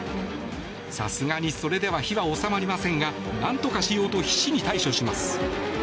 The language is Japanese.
さすがにそれでは火は収まりませんがなんとかしようと必死に対処します。